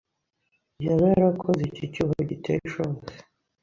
Yaba yarakoze iki cyuho giteye ishozi